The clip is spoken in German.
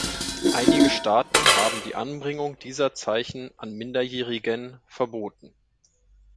Einige Staaten haben die Anbringung dieser Zeichen an Minderjährigen verboten.